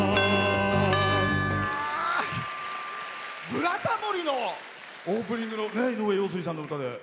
「ブラタモリ」のオープニングの井上陽水さんの歌で。